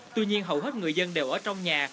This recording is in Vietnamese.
tuy nhiên hầu hết người dân đều ở trong nhà